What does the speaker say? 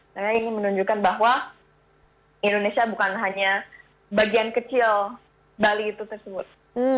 saya ingin menunjukkan bahwa indonesia bukan hanya bagian kecil bali itu tersebut